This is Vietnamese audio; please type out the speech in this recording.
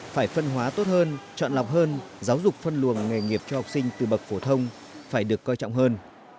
phải phân hóa tốt hơn chọn lọc hơn giáo dục phân luồng nghề nghiệp cho học sinh từ bậc phổ thông phải được coi trọng hơn